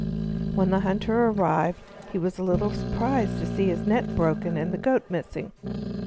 When the hunter arrived he was a little surprised to see his net broken and the goat missing.